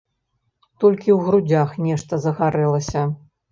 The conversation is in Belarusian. Толькі ў грудзях нешта загарэлася.